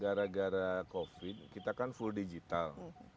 gara gara covid sembilan belas kita kan full digital